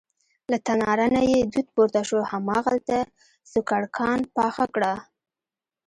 له تناره نه یې دود پورته شو، هماغلته سوکړکان پاخه کړه.